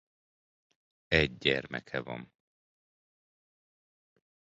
Egy gyermeke van.